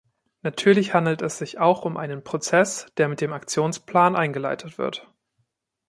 Natürlich handelt es sich auch um einen Prozess, der mit dem Aktionsplan eingeleitet wird.